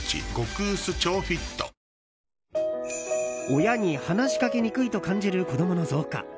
親に話しかけにくいと感じる子供の増加。